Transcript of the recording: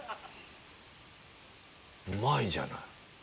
うまいじゃない。